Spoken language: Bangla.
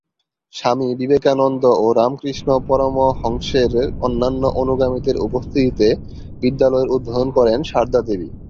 স্বামী বিবেকানন্দ ও রামকৃষ্ণ পরমহংসের অন্যান্য অনুগামীদের উপস্থিতিতে বিদ্যালয়ের উদ্বোধন করেন সারদা দেবী।